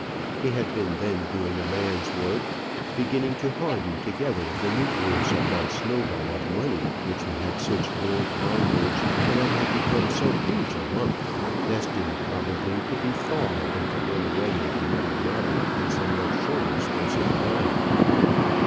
He had been then doing a man's work; beginning to harden together the nucleus of that snowball of money which he had since rolled onwards till it had become so huge a lump destined, probably, to be thawed and to run away into muddy water in some much shorter space of time.